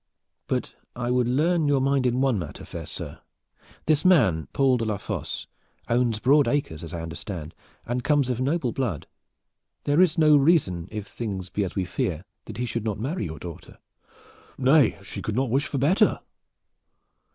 "But I would lean your mind in one matter, fair sir. This man, Paul de la Fosse, owns broad acres, as I understand, and comes of noble blood. There is no reason if things be as we fear that he should not marry your daughter?" "Nay, she could not wish for better."